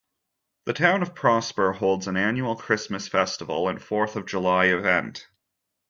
The Town of Prosper holds an annual Christmas festival and Fourth of July event.